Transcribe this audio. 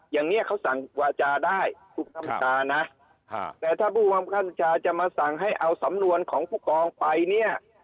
อย่างนี้เขาสั่งวาจาได้คุณคำชานะแต่ถ้าผู้บังคับบัญชาจะมาสั่งให้เอาสำนวนของผู้กองไปเนี่ย